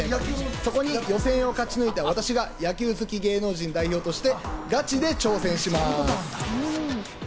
そこに予選を勝ち抜いた私が野球好き芸能人代表としてガチで挑戦します。